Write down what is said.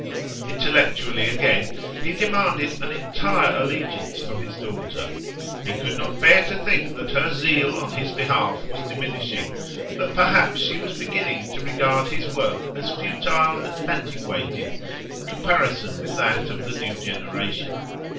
Intellectually again, he demanded an entire allegiance from his daughter; he could not bear to think that her zeal on his behalf was diminishing, that perhaps she was beginning to regard his work as futile and antiquated in comparison with that of the new generation.